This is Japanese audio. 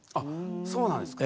そうなんですか。